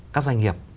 các doanh nghiệp